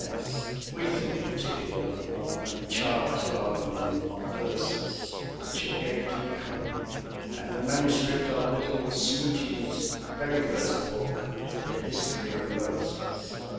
S. we think particularly of the "Child's Garden of Verses" which he gave to Cummy, and the manuscript of little "Smoutie's" very first book, the "History of Moses."